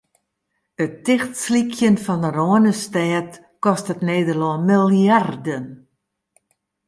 It tichtslykjen fan de Rânestêd kostet Nederlân miljarden.